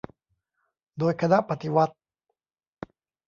โดยคณะปฏิวัติ